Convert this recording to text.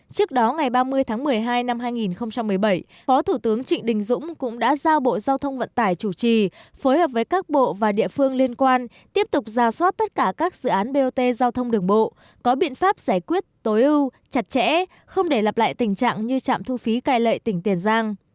trước đó ngày ba mươi tháng một mươi hai năm hai nghìn một mươi bảy phó thủ tướng trịnh đình dũng cũng đã giao bộ giao thông vận tải chủ trì phối hợp với các bộ và địa phương liên quan tiếp tục ra soát tất cả các dự án bot giao thông đường bộ có biện pháp giải quyết tối ưu chặt chẽ không để lặp lại tình trạng như trạm thu phí cai lệ tỉnh tiền giang